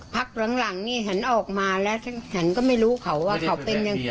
พักหลังนี่หันออกมาแล้วฉันก็ไม่รู้เขาว่าเขาเป็นยังไง